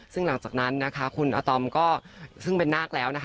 ซึ่งหลังจากนั้นคุณอาตอมก็ซึ่งเป็นนาคแล้ว